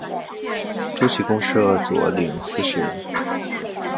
诸旗共设佐领四十人。